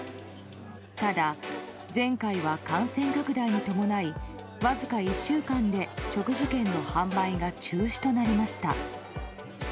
ただ、前回は感染拡大に伴いわずか１週間で食事券の販売が中止となりました。